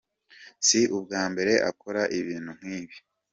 Si ubwa mbere akora ibintu nk’ibi